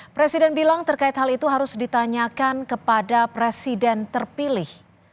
presiden bilang terkait hal itu harus ditanyakan kepada presiden terpilih